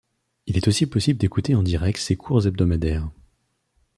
Il est aussi possible d’écouter en direct ses cours hebdomadaires.